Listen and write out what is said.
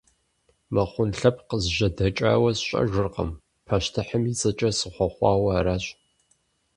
Мыхъун лъэпкъ къызжьэдэкӀауэ сщӀэжыркъым, пащтыхьым и цӀэкӀэ сыхъуэхъуауэ аращ.